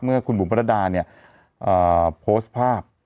เมื่อคุณบุ๋มพระรดาโพสต์ภาพ